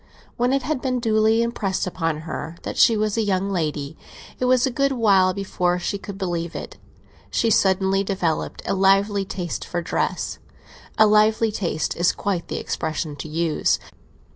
When it had been duly impressed upon her that she was a young lady—it was a good while before she could believe it—she suddenly developed a lively taste for dress: a lively taste is quite the expression to use.